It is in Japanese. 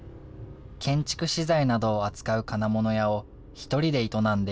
建築資材などを扱う金物屋を１人で営んでいる。